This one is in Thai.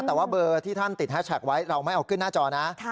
แต่ว่าเบอร์ที่ท่านติดแฮชแท็กไว้เราไม่เอาขึ้นหน้าจอนะ